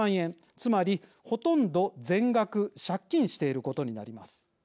つまり、ほとんど全額借金していることになります。